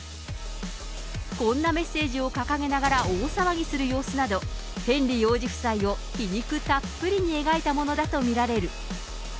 こんなメッセージを掲げながら大騒ぎする様子など、ヘンリー王子夫妻を皮肉たっぷりに描いたものだと見られる。